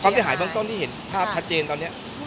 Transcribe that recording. ก็เสียหายค่ะคุณค่าเยอะไหมคะทุกคน